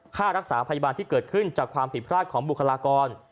ค่ารักษาพยาบาลที่เกิดขึ้นจากความผิดพลาดของบุคลากร